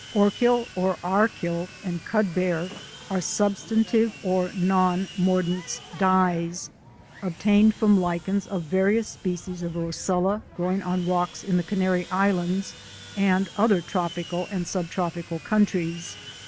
ORCHIL OR ARCHIL AND CUDBEAR are substantive or non mordants dyes, obtained from Lichens of various species of Roccella growing on rocks in the Canary Islands and other tropical and sub tropical countries.